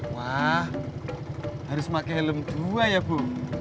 wah harus pakai helm dua ya bu